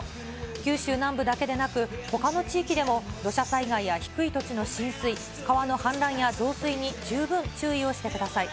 九州南部だけでなく、ほかの地域でも土砂災害や低い土地の浸水、川の氾濫や増水に十分注意をしてください。